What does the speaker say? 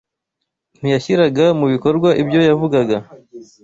ntiyashyiraga mu bikorwa ibyo yavugaga.